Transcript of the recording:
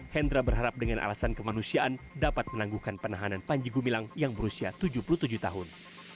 hendra berharap dengan alasan kemanusiaan dapat menangguhkan penahanan panji gumilang yang berusia tujuh puluh tujuh tahun